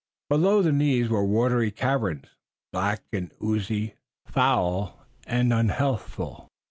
Below the knees were watery caverns, black and oozy, foul and unhealthful.